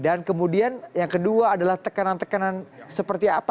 dan kemudian yang kedua adalah tekanan tekanan seperti apa